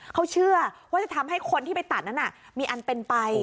เขาเชื่อว่าจะทำให้คนที่ไปตัดนั้นมีอันเป็นไป